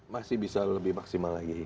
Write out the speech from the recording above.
masih bisa lebih maksimal lagi